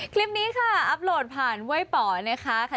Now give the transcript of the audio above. คลิปนี้ค่ะอัพโหลดผ่านเว้ยป่อนะคะ